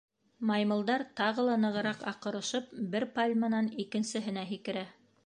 Маймылдар тағы ла нығыраҡ аҡырышып, бер пальманан икенсеһенә һикерә.